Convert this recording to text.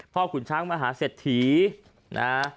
พ่อขุนช้างมหาเสธถีนะ